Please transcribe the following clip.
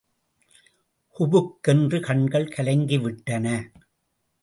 குபுக் கென்று கண்கள் கலங்கிவிட்டன.